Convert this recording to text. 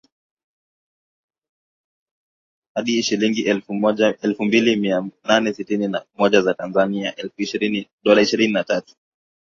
Hadi shilingi elfu mbili mia nane sitini na moja za Tanzania (dola ishirini na tatu)